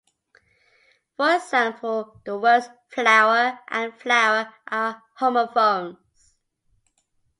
For example, the words "flower" and "flour" are homophones.